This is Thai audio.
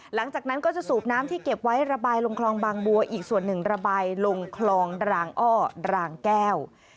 หลังจากนั้นก็จะสูบน้ำที่เก็บไว้ระบายลงคลองบางบัวอีกส่วนหนึ่งระบายลงคลองรางอ้อรางแก้ว